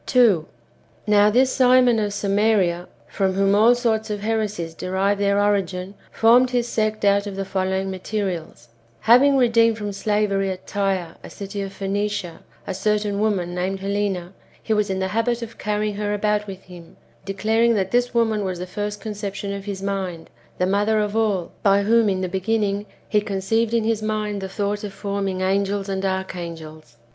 2. Now this Simon of Samaria, from whom all sorts of heresies derive their origin, formed his sect out of the follow ing materials :— Having redeemed from slavery at Tyre, a city of Phoenicia, a certain woman named Helena, he was in the habit of carrying her about with him, declaring that this woman was the first conception of his mind, the mother of all, by whom, in the beginning, he conceived in his mind [the thought] of forming angels and archangels.